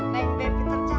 neng bebi tercaya